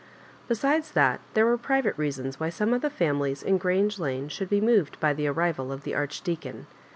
Besides that, there were private reasons why some of the families in Orange Lane should be moved by the arrival of the Archdeacon.